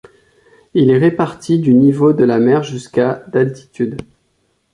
Il est réparti du niveau de la mer jusqu'à d'altitude.